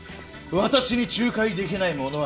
私に仲介できないものはない！